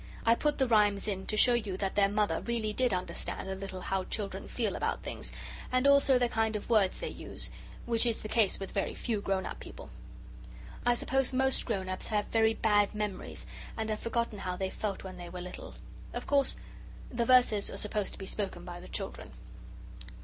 I put the rhymes in to show you that their Mother really did understand a little how children feel about things, and also the kind of words they use, which is the case with very few grown up people. I suppose most grown ups have very bad memories, and have forgotten how they felt when they were little. Of course, the verses are supposed to be spoken by the children.